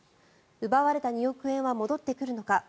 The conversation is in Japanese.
奪われた２億円は戻ってくるのか。